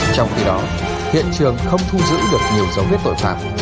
trong khi đó hiện trường không thu giữ được nhiều dấu vết tội phạm